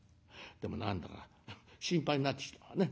でも何だか心配になってきたわね。